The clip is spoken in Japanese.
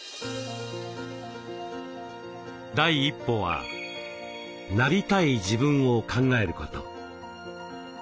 第一歩は「なりたい自分」を考えること。